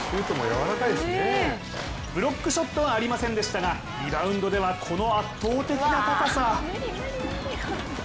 ブロックショットはありませんでしたがリバウンドではこの圧倒的な高さ。